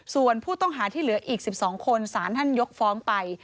ส่วนผู้ต้องหาที่เหลืออีก๑๒คนสารท่านยกฟ้องไป